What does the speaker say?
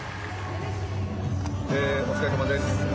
お疲れさまです。